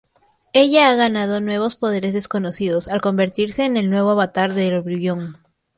Ella ha ganado nuevos poderes desconocidos al convertirse en el nuevo avatar de Oblivion.